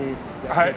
はい。